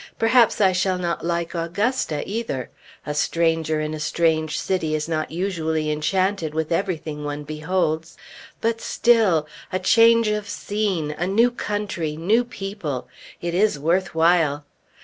Perhaps I shall not like Augusta either; a stranger in a strange city is not usually enchanted with everything one beholds; but still a change of scene a new country new people it is worth while!